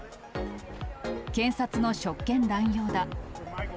検察の職権乱用だ。